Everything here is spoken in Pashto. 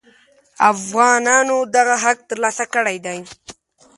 افغانانو دغه حق تر لاسه کړی دی.